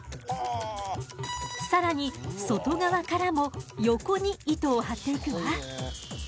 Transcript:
更に外側からも横に糸を張っていくわ。